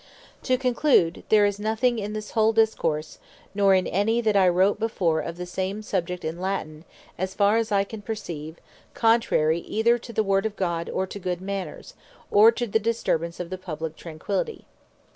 To conclude, there is nothing in this whole Discourse, nor in that I writ before of the same Subject in Latine, as far as I can perceive, contrary either to the Word of God, or to good Manners; or to the disturbance of the Publique Tranquillity.